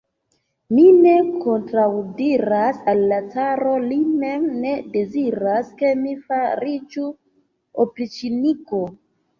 Mi ne kontraŭdiras al la caro, li mem ne deziras, ke mi fariĝu opriĉniko.